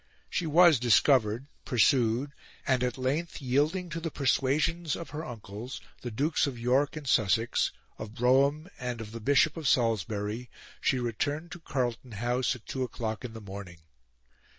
She was discovered, pursued, and at length, yielding to the persuasions of her uncles, the Dukes of York and Sussex, of Brougham, and of the Bishop of Salisbury, she returned to Carlton House at two o'clock in the morning.